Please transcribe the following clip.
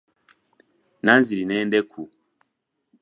Nanziri n'endeku.